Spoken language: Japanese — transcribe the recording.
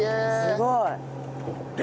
すごい。